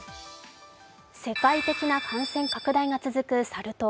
世界的な感染拡大が続くサル痘。